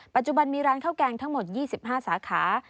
ปัจจุบันมีร้านข้าวแกงทั้งหมด๒๕สาขา